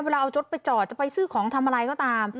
เอารถไปจอดจะไปซื้อของทำอะไรก็ตาม